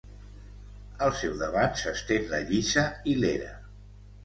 Al seu davant s'estén la lliça i l'era.